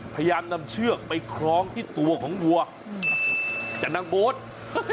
พยายามนำเชือกไปคล้องที่ตัวของวัวจากนางโบ๊ท